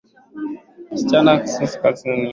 msichana huyo alikuwa na miezi miwili na nusu